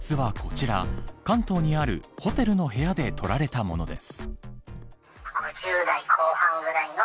実はこちら関東にあるホテルの部屋で撮られたものです。